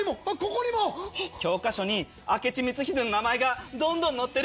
教科書に明智光秀の名前がどんどん載ってる。